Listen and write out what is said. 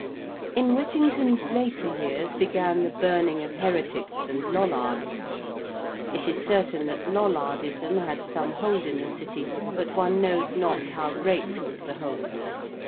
In Whittington's later years began the burning of heretics and Lollards. It is certain that Lollardism had some hold in the City, but one knows not how great was the hold.